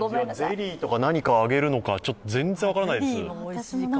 ゼリーとか何かあげるのか全然、分からないです。